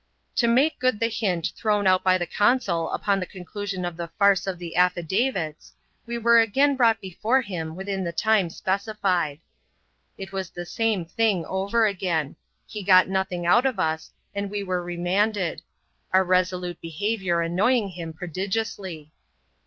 To make good the hint thrown out by the consul upon the con clusion of the Farce of the Affidavits, we were again brought before him within the time specified. It was the same thing over again : he got nothing out of us, and we were remanded ; our resolute behaviour annoying him prodigiously.